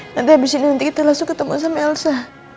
nanti abis ini kita langsung ketemu sama elsa